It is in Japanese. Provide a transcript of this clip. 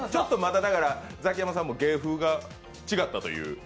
ザキヤマさんも芸風も違ったという？